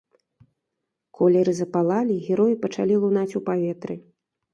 Колеры запалалі, героі пачалі лунаць у паветры.